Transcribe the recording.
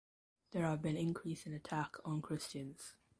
There have been increase in attack on Christians.